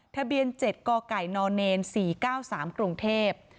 ทะเบียน๗กไก่น๔๙๓กรุงเทพฯ